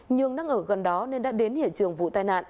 nhường đang ở gần đó nên đã đến hiện trường vụ tai nạn